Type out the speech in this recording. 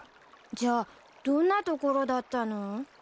じゃあどんなところだったの？